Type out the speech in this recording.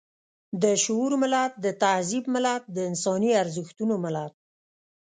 د شعور ملت، د تهذيب ملت، د انساني ارزښتونو ملت.